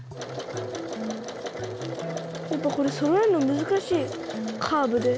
やっぱこれそろえるの難しいカーブで。